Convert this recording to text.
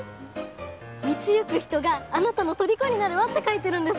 「道行く人があなたの虜になるわ」って書いてるんです。